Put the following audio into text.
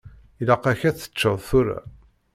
Ilaq-ak ad teččeḍ tura.